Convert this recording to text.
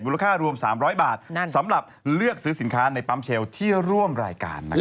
ค่ารวม๓๐๐บาทสำหรับเลือกซื้อสินค้าในปั๊มเชลที่ร่วมรายการนะครับ